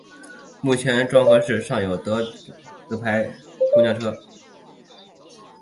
目前庄河市尚有实德牌公交车。